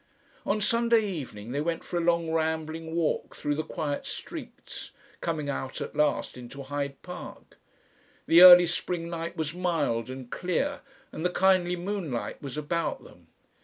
On Sunday evening they went for a long rambling walk through the quiet streets, coming out at last into Hyde Park. The early spring night was mild and clear and the kindly moonlight was about them.